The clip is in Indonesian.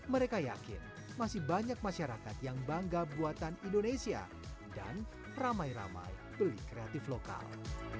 mereka yakin masih banyak masyarakat yang bangga buatan indonesia dan ramai ramai beli kreatif lokal